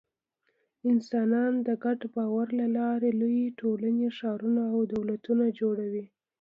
انسانان د ګډ باور له لارې لویې ټولنې، ښارونه او دولتونه جوړوي.